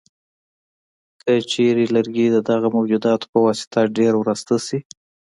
که چېرته لرګي د دغه موجوداتو په واسطه ډېر وراسته شي.